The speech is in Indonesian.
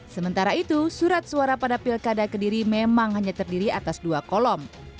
sementara itu surat suara pada pilkada kediri memang hanya terdiri atas dua kolom